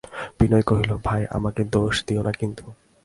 বিনয় কহিল, ভাই, আমাকে দোষ দিয়ো না কিন্তু।